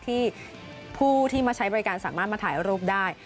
ที่ผู้ที่มาใช้บริการสามารถมาถ่ายรูปได้